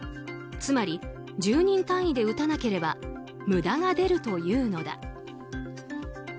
つまり１０人単位で打たなければ無駄が出るというのだ。